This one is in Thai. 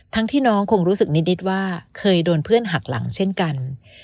ที่น้องคงรู้สึกนิดว่าเคยโดนเพื่อนหักหลังเช่นกัน